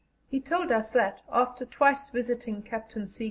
He told us that, after twice visiting Captain C.